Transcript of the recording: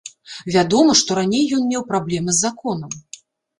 Вядома, што раней ён меў праблемы з законам.